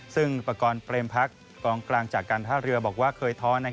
ซึ่งประกอบเปรมพักกองกลางจากการท่าเรือบอกว่าเคยท้อ